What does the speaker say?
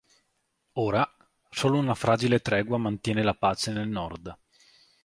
Ora, solo una fragile tregua mantiene la pace nel Nord.